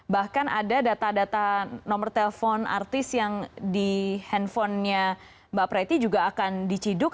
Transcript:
bahkan ada data data nomor telepon artis yang di handphonenya mbak preti juga akan diciduk